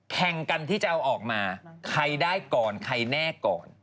แข่งกันที่จะเอาออกมาใครได้ก่อนใครแน่ก่อน